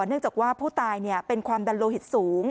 เนื่องจากว่าผู้ตายเป็นความดันโลหิตสูง